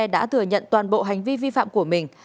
đã thừa nhận toàn bộ hành vi vi phạm của mình